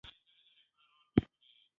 راکټ د قوت ښکارندوی ده